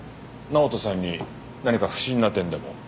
直人さんに何か不審な点でも？